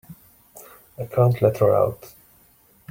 I can't let her out.